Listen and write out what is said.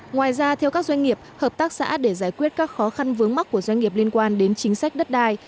ngoài ra theo các doanh nghiệp hợp tác xã để giải quyết các khó khăn vướng mắt của doanh nghiệp liên quan đến chính sách đất đai